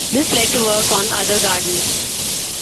This led to work on other gardens.